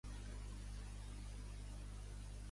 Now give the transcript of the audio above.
On més comenta les contribucions d'Hestiaea?